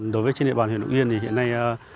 đối với trên địa bàn huyện lục yên thì hiện nay